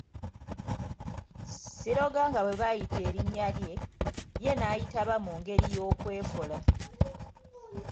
Siroganga bwe baayita erinnya lye, ye n'ayitaba mu ngeri y'okwekola.